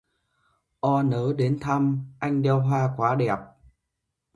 O nớ đến thăm anh đeo hoa quá đẹp